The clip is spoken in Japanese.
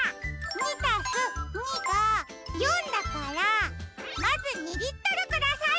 ２＋２が４だからまず２リットルください！